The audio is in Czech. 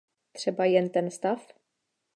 Třeba jen ten stav?